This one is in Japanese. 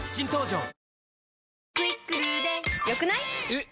えっ！